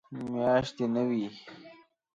میاشتې نه وي.